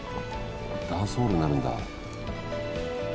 ダンスホールになるんだ。